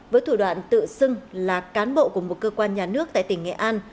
với thủ đoạn tự xưng là cán bộ của một cơ quan nhà nước tại tỉnh nghệ an